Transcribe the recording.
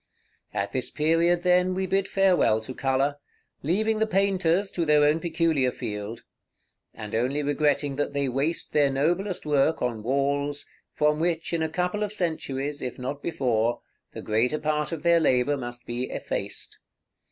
At this period, then, we bid farewell to color, leaving the painters to their own peculiar field; and only regretting that they waste their noblest work on walls, from which in a couple of centuries, if not before, the greater part of their labor must be effaced.